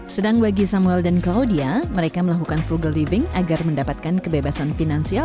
sedang bagi samuel dan claudia mereka melakukan frugal living agar mendapatkan kebebasan finansial